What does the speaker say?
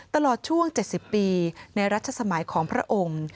ตลอดช่วง๗๐ปีในรัชสมัยของพระองค์